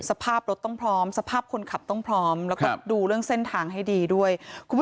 สภาพรถต้องพร้อมสภาพคนขับต้องพร้อมแล้วก็ดูเรื่องเส้นทางให้ดีด้วยคุณผู้ชม